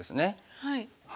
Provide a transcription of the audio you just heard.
はい。